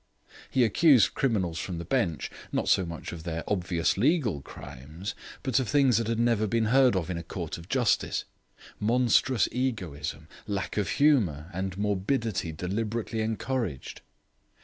He accused criminals from the bench, not so much of their obvious legal crimes, but of things that had never been heard of in a court of justice, monstrous egoism, lack of humour, and morbidity deliberately encouraged.